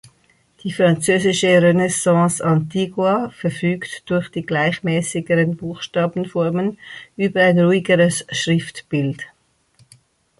Die französische Renaissance-Antiqua verfügt durch die gleichmäßigeren Buchstabenformen über ein ruhigeres Schriftbild.